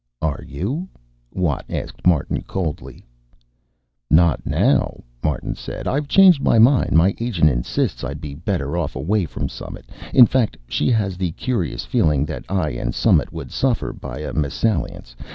"Are you?" Watt asked Martin coldly. "Not now," Martin said. "I've changed my mind. My agent insists I'd be better off away from Summit. In fact, she has the curious feeling that I and Summit would suffer by a mesalliance.